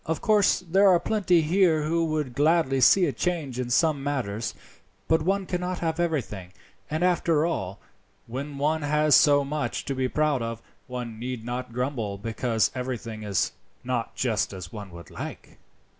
Of course there are plenty here who would gladly see a change in some matters, but one cannot have everything; and, after all, when one has so much to be proud of, one need not grumble because everything is not just as one would like."